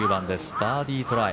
バーディートライ。